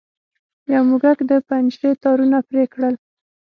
یو موږک د پنجرې تارونه پرې کړل.